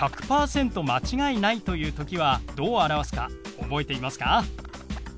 間違いないという時はどう表すか覚えていますか？